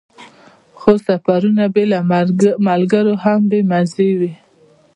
خو سفرونه بې له ملګرو هم بې مزې وي.